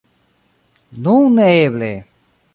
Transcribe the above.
Nun neeble!